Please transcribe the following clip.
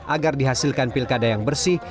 agar dihasilkan pilkada yang bersih